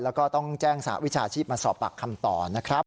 แล้วก็ต้องแจ้งสหวิชาชีพมาสอบปากคำต่อนะครับ